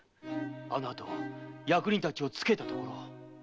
あのあと役人たちをつけたところ。